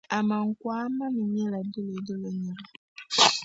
Amankwa-Manu nyɛla Dolodolo nira.